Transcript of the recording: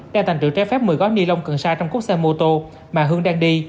đang tàn trữ trái phép một mươi gói ni lông cần sa trong cốc xe mô tô mà hương đang đi